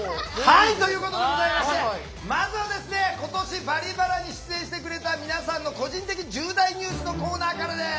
まずは今年「バリバラ」に出演してくれた皆さんの「個人的重大ニュース」のコーナーからです。